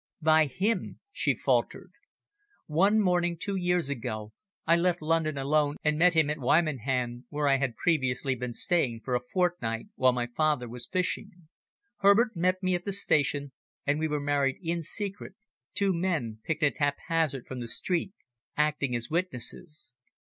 "By him," she faltered. "One morning two years ago I left London alone and met him at Wymondham, where I had previously been staying for a fortnight while my father was fishing. Herbert met me at the station, and we were married in secret, two men, picked at haphazard from the street, acting as witnesses.